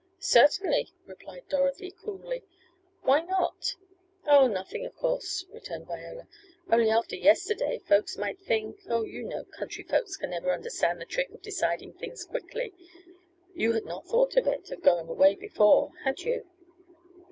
"Certainly," replied Dorothy coolly. "Why not?" "Oh, nothing, of course," returned Viola, "Only after yesterday folks might think oh, you know country folks can never understand the trick of deciding things quickly. You had not thought of it of going away before, had you?"